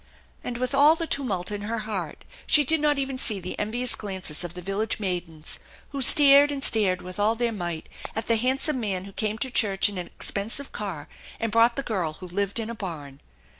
And with all the tumult in her heart she did not even see the envious glances of the village maidens who stared and stared with all their might at the handsome man who came to church in an expensive car and brought the girl who lived in a barn!